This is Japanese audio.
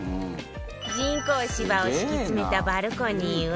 人工芝を敷き詰めたバルコニーは